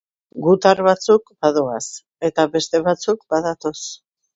Gutar batzuk badoaz, eta beste batzuk badatoz.